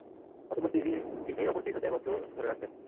অতঃপর তিনি একটিকে অপরটির সাথে একত্রে ধরে রাখতেন।